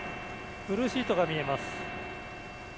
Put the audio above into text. ブルーシートが見えます。